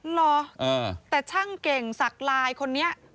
หรอแต่ช่างเก่งศักดิ์ไลน์คนนี้